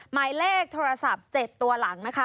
หมายเลขโทรศัพท์๗ตัวหลังนะคะ